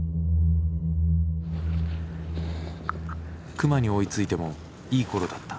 熊に追いついてもいい頃だった。